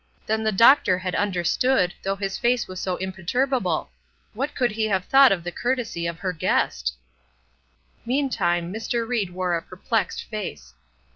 Then the doctor had understood, though his face was so imperturbable! What could he have thought of the courtesy of her guest? Meantime Mr. Ried wore a perplexed face.